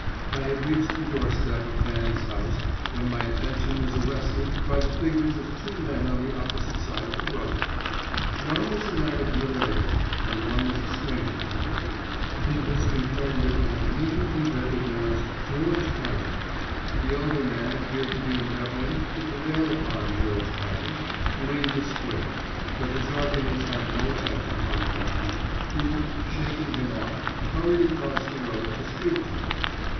I had reached the doorstep of Fanny's house when my attention was arrested by the figures of two men on the opposite side of the road. One was a man of middle age, and was a stranger to me. In his companion I immediately recognised George Carton. The elder man appeared to be endeavouring to prevail upon George Carton to leave the square, but his arguments had no effect upon Carton, who, shaking him off, hurried across the road to speak to me.